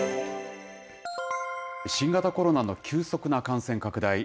新型コロナの急速な感染拡大。